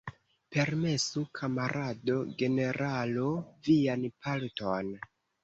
Permesu, kamarado generalo, vian palton.